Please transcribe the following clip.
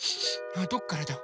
どっからだ？